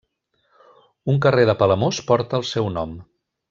Un carrer de Palamós porta el seu nom.